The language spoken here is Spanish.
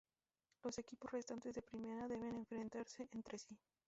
Los equipos restantes de Primera deben enfrentarse entre sí.